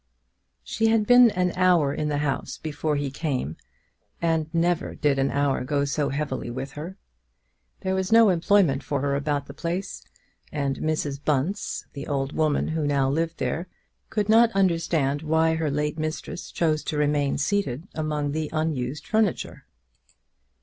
She had been an hour in the house before he came, and never did an hour go so heavily with her. There was no employment for her about the place, and Mrs. Bunce, the old woman who now lived there, could not understand why her late mistress chose to remain seated among the unused furniture.